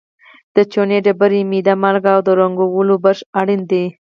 د چونې ډبرې، میده مالګه او د رنګولو برش اړین دي.